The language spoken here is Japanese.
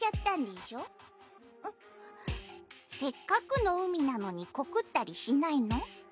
せっかくの海なのに告ったりしないの？